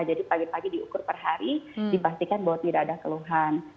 jadi pagi pagi diukur per hari dipastikan bahwa tidak ada keluhan